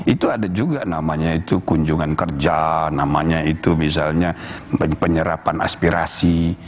itu ada juga namanya itu kunjungan kerja namanya itu misalnya penyerapan aspirasi